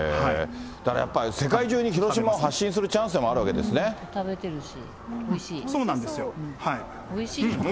だからやっぱり世界中に広島を発信するチャンスでもあるわけ食べてるし。